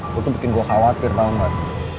lo tuh bikin gue khawatir tau gak